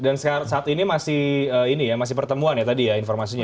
dan saat ini masih pertemuan ya tadi ya informasinya